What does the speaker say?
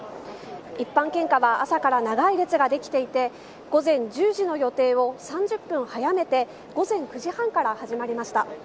一般献花は朝から長い列ができていて午前１０時の予定を３０分早めて午前９時半から始まりました。